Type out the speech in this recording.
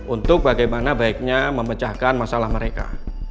untuk bagaimana baiknya memecahkan masalah mereka